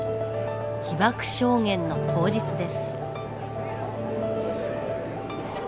被爆証言の当日です。